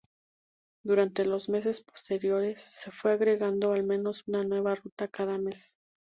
Durante los meses posteriores, se fue agregando al menos una nueva ruta cada mes.